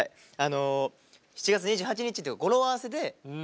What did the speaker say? ７月２８日っていう語呂合わせでなにわの日。